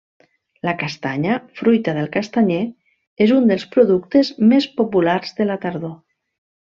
La castanya, fruita del castanyer, és un dels productes més populars de la tardor.